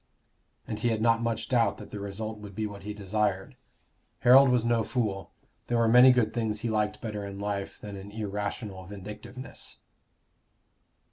And he had not much doubt that the result would be what he desired. Harold was no fool: there were many good things he liked better in life than an irrational vindictiveness.